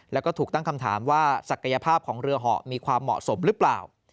แล้วก็ถูกตั้งคำถามว่าศักยภาพของเรือเหาะมีความเหมาะสมหรือเปล่า